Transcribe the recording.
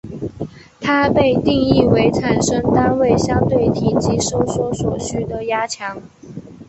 它被定义为产生单位相对体积收缩所需的压强。